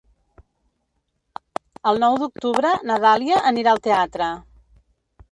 El nou d'octubre na Dàlia anirà al teatre.